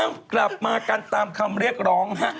กลับมากันตามคำเรียกร้องฮะ